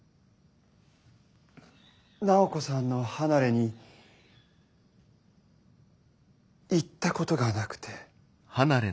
楠宝子さんの離れに行ったことがなくて。